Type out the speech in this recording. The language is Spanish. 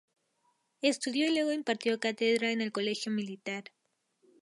Estudió y luego impartió cátedra en el Colegio Militar.